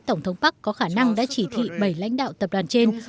tổng thống park có khả năng đã chỉ thị bảy lãnh đạo tập đoàn trên